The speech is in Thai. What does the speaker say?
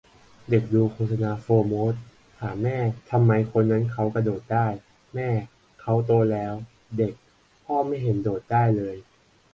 เด็กดูโฆษณาโฟร์โมสต์ ถามแม่ทำไมคนนั้นเค้ากระโดดได้ แม่ :'เค้าโตแล้ว' เด็ก :'พ่อไม่เห็นโดดได้เลย'